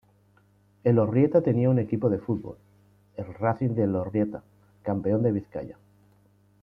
Elorrieta tenía un equipo de fútbol, el Racing de Elorrieta, campeón de Vizcaya.